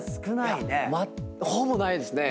ほぼないですね。